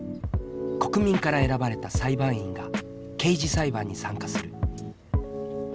国民から選ばれた裁判員が刑事裁判に参加する。